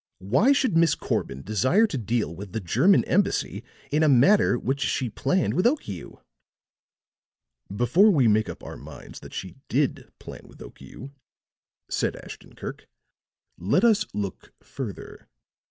Why should Miss Corbin desire to deal with the German Embassy in a matter which she planned with Okiu?" "Before we make up our minds that she did plan with Okiu," said Ashton Kirk, "let us look further.